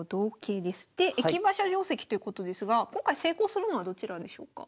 で駅馬車定跡ということですが今回成功するのはどちらでしょうか？